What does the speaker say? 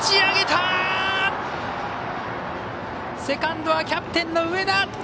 セカンドはキャプテンの上田！